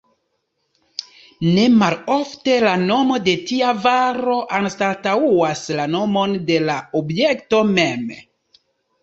Ne malofte la nomo de tia varo anstataŭas la nomon de la objekto mem.